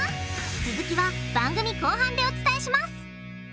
続きは番組後半でお伝えします！